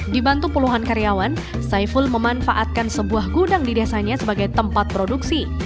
dibantu puluhan karyawan saiful memanfaatkan sebuah gudang di desanya sebagai tempat produksi